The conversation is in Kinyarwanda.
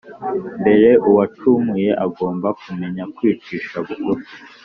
mbere uwacumuye agomba kumenya kwicisha bugufi